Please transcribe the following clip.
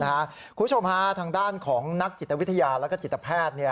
คุณผู้ชมฮะทางด้านของนักจิตวิทยาแล้วก็จิตแพทย์